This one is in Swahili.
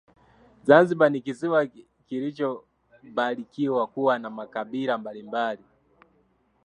Zanzibar ni kisiwa kilichobarikiwa kuwa na makabila mbalimbali